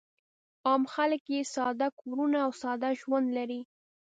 عام خلک یې ساده کورونه او ساده ژوند لري.